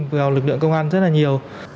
vào lực lượng công an rất là nhiều